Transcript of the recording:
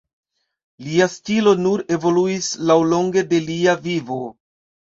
Lia stilo nur evoluis laŭlonge de lia vivo.